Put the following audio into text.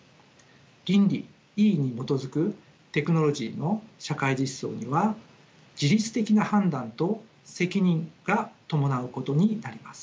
倫理に基づくテクノロジーの社会実装には自律的な判断と責任が伴うことになります。